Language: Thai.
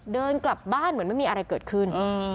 เดินกลับบ้านเหมือนไม่มีอะไรเกิดขึ้น